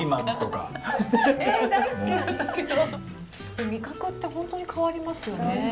でも味覚って本当に変わりますよね。